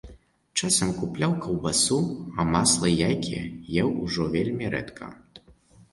Часам купляў каўбасу, а масла і яйкі еў ужо вельмі рэдка.